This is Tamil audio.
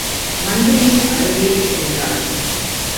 மந்திரியின் அருகே சென்றாள்.